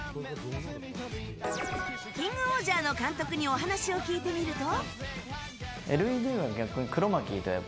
「キングオージャー」の監督にお話を聞いてみると。